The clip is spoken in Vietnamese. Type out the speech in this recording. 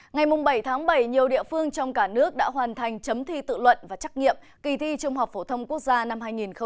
ngày bảy bảy nhiều địa phương trong cả nước đã hoàn thành chấm thi tự luận và trắc nghiệm kỳ thi trung học phổ thông quốc gia năm hai nghìn một mươi tám